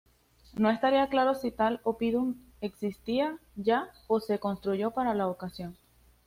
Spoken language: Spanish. No estaría claro si tal "oppidum" existía ya o se construyó para la ocasión.